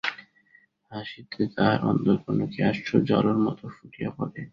হাসিতে তাহার অন্তঃকরণ কী আশ্চর্য আলোর মতো ফুটিয়া পড়ে!